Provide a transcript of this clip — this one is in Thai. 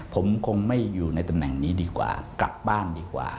ผมคงไม่อยู่ในตำแหน่งนี้ดีกว่ากลับบ้านดีกว่า